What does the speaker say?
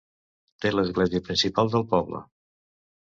Té l'església principal del poble.